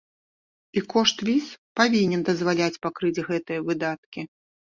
І кошт віз павінен дазваляць пакрыць гэтыя выдаткі.